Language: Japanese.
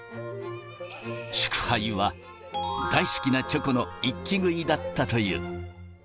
祝杯は大好きなチョコの一気食いだったという。